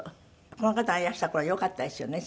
この方がいらした頃よかったですよね新劇もね。